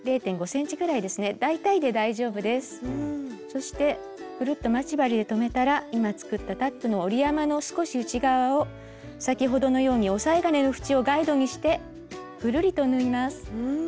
そしてぐるっと待ち針で留めたら今作ったタックの折り山の少し内側を先ほどのようにおさえ金のふちをガイドにしてぐるりと縫います。